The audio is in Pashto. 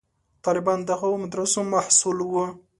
طالبان د هغو مدرسو محصول وو.